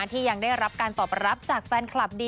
ที่ยังได้รับการตอบรับจากแฟนคลับดี